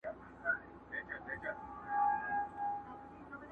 او وينه بهيږي او حالت خرابېږي،